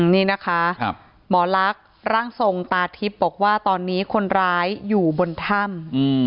นี่นะคะหมอลักษณ์ร่างทรงตาทิพย์บอกว่าตอนนี้คนร้ายอยู่บนถ้ำ